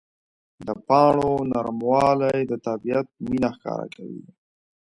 د پاڼو نرموالی د طبیعت مینه ښکاره کوي.